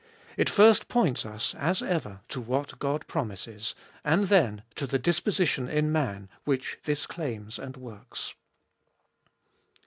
It first points us, as ever, to what God promises, and then to the disposition in man which this claims and works.